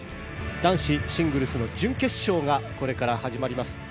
男子シングルスの準決勝がこれから始まります。